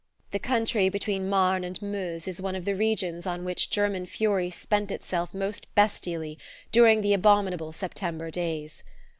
The country between Marne and Meuse is one of the regions on which German fury spent itself most bestially during the abominable September days.